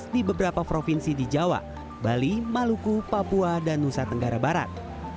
di beberapa provinsi di jawa bali maluku papua dan nusa tenggara barat